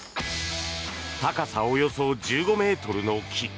高さおよそ１５ｍの木。